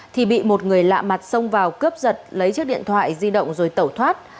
thì bị một người lạ mặt xông vào cướp giật lấy chiếc điện thoại di động rồi tẩu thoát